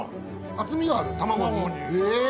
厚みがある卵にへぇ。